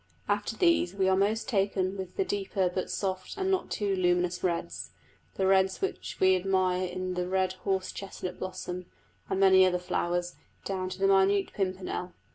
After these we are most taken with the deeper but soft and not too luminous reds the red which we admire in the red horse chestnut blossom, and many other flowers, down to the minute pimpernel.